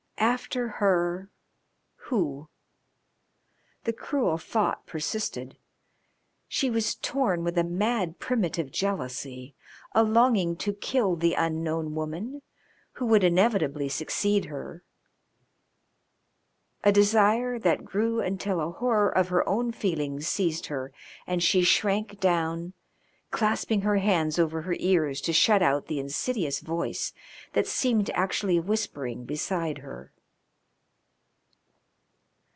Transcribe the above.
After her who? The cruel thought persisted. She was torn with a mad, primitive jealousy, a longing to kill the unknown woman who would inevitably succeed her, a desire that grew until a horror of her own feelings seized her, and she shrank down, clasping her hands over her ears to shut out the insidious voice that seemed actually whispering beside her.